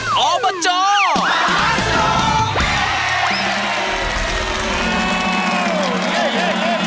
หอพเจ้า